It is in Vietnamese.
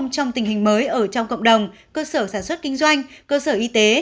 trong tình hình mới ở trong cộng đồng cơ sở sản xuất kinh doanh cơ sở y tế